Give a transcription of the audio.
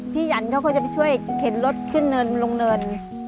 หยันเขาก็จะไปช่วยเข็นรถขึ้นเนินลงเนิน